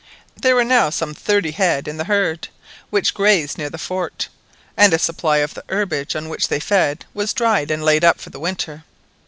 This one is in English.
There were now some thirty head in the herd which grazed near the fort, and a supply of the herbage on which they feed was dried and laid up for the winter.